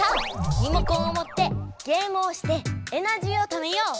リモコンをもってゲームをしてエナジーをためよう！